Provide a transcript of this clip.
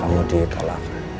kamu di tolak